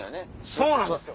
そうなんですよ。